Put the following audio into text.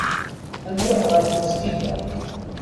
Ad nruḥ ɣer tmezgida.